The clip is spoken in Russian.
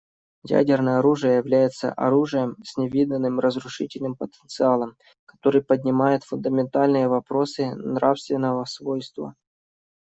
Ядерное оружие является оружием с невиданным разрушительным потенциалом, который поднимает фундаментальные вопросы нравственного свойства.